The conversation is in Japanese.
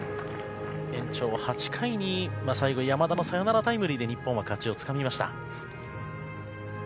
延長８回に最後山田のサヨナラタイムリーで日本は勝ちをつかみました。